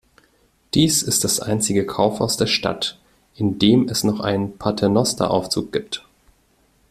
Dies ist das einzige Kaufhaus der Stadt, in dem es noch einen Paternosteraufzug gibt.